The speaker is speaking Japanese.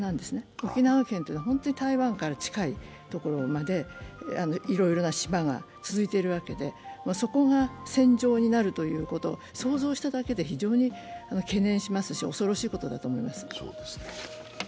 沖縄県という、本当に台湾から近いところまでいろいろな島が続いているわけでそこが戦場になるということを想像しただけで非常に懸念しますし恐ろしいことだと思います。